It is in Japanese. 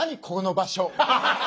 ここの場所。